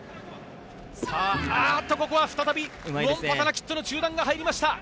ここは再びウオンパタナキットの中段が入りました。